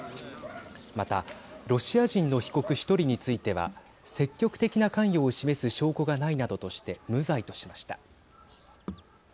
また、ロシア人の被告１人については積極的な関与を示す証拠がないなどとして無罪としました。